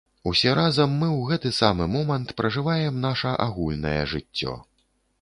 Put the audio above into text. Усе разам мы ў гэты самы момант пражываем наша агульнае жыццё.